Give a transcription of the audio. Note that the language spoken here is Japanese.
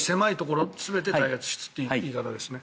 つまり狭いところ全て耐圧室という言い方ですね。